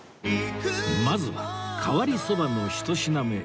まずは変わりそばの１品目